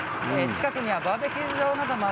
近くにはバーベキュー場なども